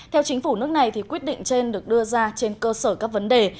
theo chính phủ nước này thì quyết định trên được đưa ra trên cơ sở các vấn đề